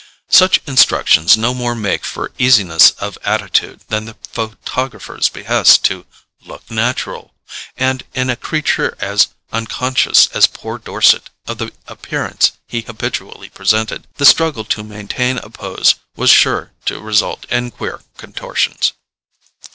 Such instructions no more make for easiness of attitude than the photographer's behest to "look natural"; and in a creature as unconscious as poor Dorset of the appearance he habitually presented, the struggle to maintain a pose was sure to result in queer contortions.